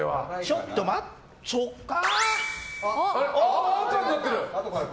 ちょっと待ってそっか。